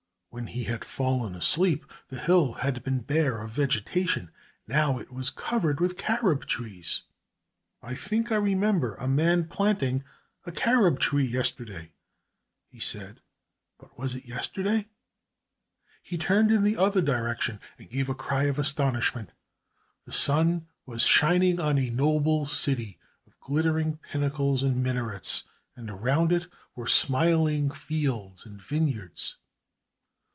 When he had fallen asleep the hill had been bare of vegetation. Now it was covered with carob trees. "I think I remember a man planting a carob tree yesterday," he said. "But was it yesterday?" He turned in the other direction and gave a cry of astonishment. The sun was shining on a noble city of glittering pinnacles and minarets, and around it were smiling fields and vineyards.